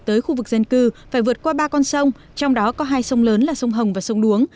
tới khu vực dân cư phải vượt qua ba con sông trong đó có hai sông lớn là sông hồng và sông đuống